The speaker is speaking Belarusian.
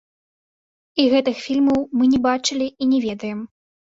І гэтых фільмаў мы не бачылі і не ведаем.